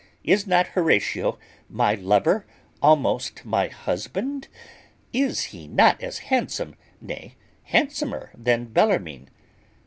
Is not Horatio my lover, almost my husband? Is he not as handsome, nay handsomer than Bellarmine?